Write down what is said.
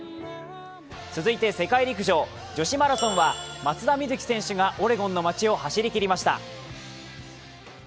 続いて世界陸上女子マラソンは松田瑞生選手がオレゴンの街を走りきりました。